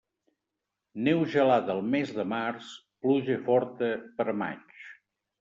Neu gelada al mes de març, pluja forta per a maig.